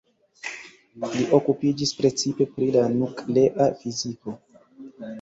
Li okupiĝis precipe pri la nuklea fiziko.